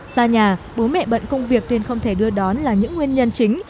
xa nhà bố mẹ bận công việc nên không thể đưa đón là những nguyên nhân chính